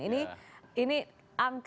ini angka yang cukup